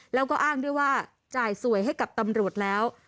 แล้วก็อ้างด้วยว่าจ่ายสวยให้กับตำรวจแล้ว